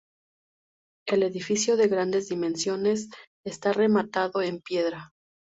El edificio, de grandes dimensiones, está rematado en piedra.